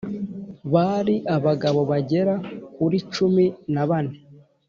Bari abagabo bagera kuri cumi na bane